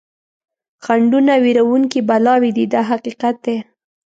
خنډونه وېروونکي بلاوې دي دا حقیقت دی.